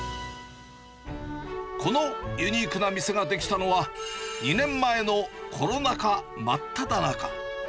このユニークな店が出来たのは、２年前のコロナ禍真っただ中。